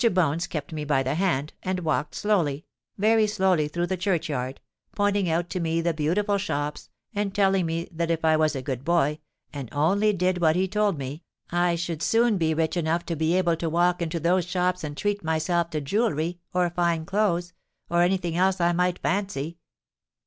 Bones kept me by the hand, and walked slowly—very slowly through the churchyard, pointing out to me the beautiful shops, and telling me that if I was a good boy and only did what he told me, I should soon be rich enough to be able to walk into those shops and treat myself to jewellery, or fine clothes, or anything else I might fancy.